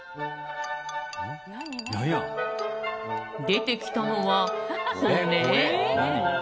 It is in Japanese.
出てきたのは骨？